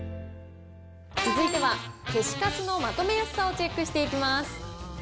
続いては消すカスのまとめやすさをチェックしていきます。